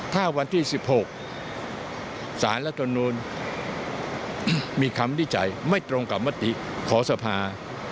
ถ้าวันที่๑๖ศาลทนุนมีคำดิจัยไม่ตรงกับมัตติขอสภา